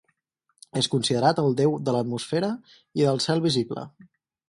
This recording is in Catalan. És considerat el déu de l'atmosfera i del cel visible.